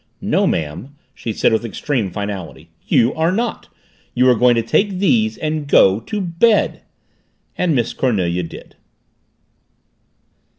"No, ma'am," she said with extreme finality. "You are not. You are going to take these and go to bed." And Miss Cornelia did.